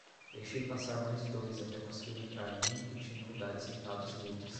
Deixei passar mais dois até conseguir entrar num que tinha lugares sentados livres.